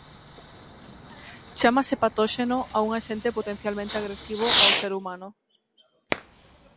Chamase patóxeno a un axente potencialmente agresivo ao ser humano.